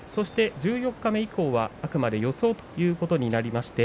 十四日目以降は、あくまで予想ということになります。